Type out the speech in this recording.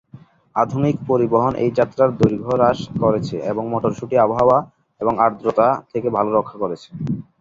আধুনিক পরিবহন এই যাত্রার দৈর্ঘ্য হ্রাস করেছে এবং মটরশুটি আবহাওয়া এবং আর্দ্রতা থেকে ভাল রক্ষা করেছে।